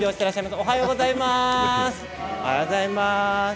おはようございます。